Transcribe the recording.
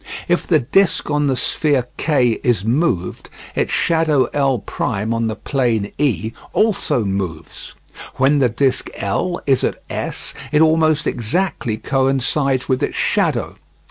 If the disc on the sphere K is moved, its shadow L' on the plane E also moves. When the disc L is at S, it almost exactly coincides with its shadow.